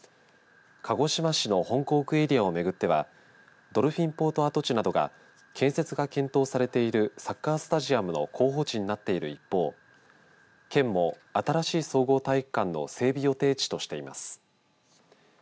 鹿児島市の本港区エリアを巡ってはドルフィンポート跡地などが建設が検討されているサッカースタジアムの候補地になっている一方県も新しい総合体育館の整備予定地としています。